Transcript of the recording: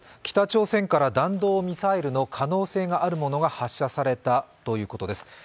北朝鮮から弾道ミサイルの可能性があるものが発射されたということです。